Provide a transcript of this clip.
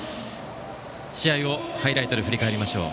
試合をハイライトで振り返りましょう。